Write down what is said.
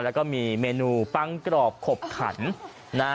แล้วก็มีเมนูปังกรอบขบขันนะ